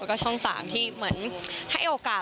แล้วก็ช่อง๓ที่เหมือนให้โอกาส